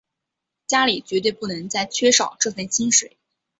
家里绝对不能再缺少这份薪水